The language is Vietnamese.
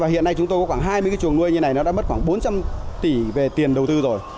hiện nay chúng tôi có khoảng hai mươi cái chuồng nuôi như này nó đã mất khoảng bốn trăm linh tỷ về tiền đầu tư rồi